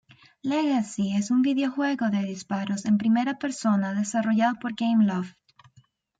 Legacy es un videojuego de disparos en primera persona desarrollado por Gameloft.